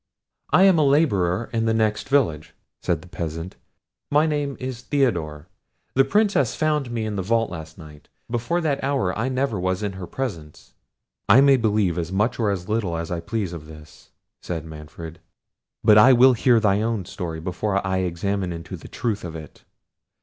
"I am a labourer at the next village," said the peasant; "my name is Theodore. The Princess found me in the vault last night: before that hour I never was in her presence." "I may believe as much or as little as I please of this," said Manfred; "but I will hear thy own story before I examine into the truth of it.